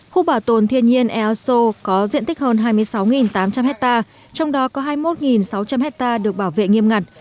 khu bảo tồn thiên nhiên easo có diện tích hơn hai mươi sáu tám trăm linh hectare trong đó có hai mươi một sáu trăm linh hectare được bảo vệ nghiêm ngặt